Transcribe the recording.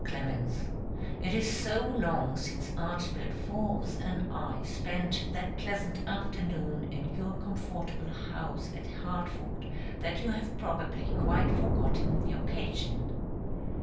CLEMENS, It is so long since Archibald Forbes and I spent that pleasant afternoon in your comfortable house at Hartford that you have probably quite forgotten the occasion."